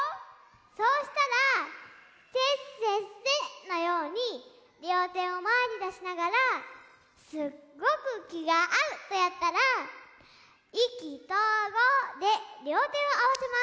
そうしたら「せっせっせ」のようにりょうてをまえにだしながら「すっごく気があう」とやったら「意気投合」でりょうてをあわせます。